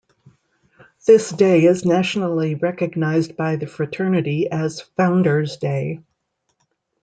This day is nationally recognized by the fraternity as "Founders Day".